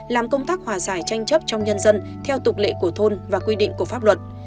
làm công tác hòa giải tranh chấp trong nhân dân theo tục lệ của thôn và quy định của pháp luật